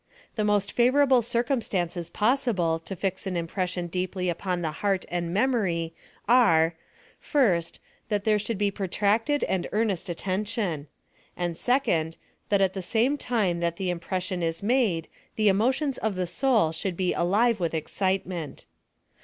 The most favorable circumstances possible to fix an impression deeply upon the heart and memory are, First, that there should be protracted and earnest attention; and Second, that at the same time that Uic impression is made, the emotions of the soul 80 PHILOSOPHY OP THE should bo alive with excitement.